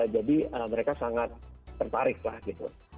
mereka sangat tertarik lah gitu